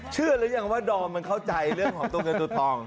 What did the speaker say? หรือยังว่าดอมมันเข้าใจเรื่องของตัวเงินตัวทอง